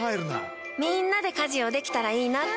みんなで家事をできたらいいなって。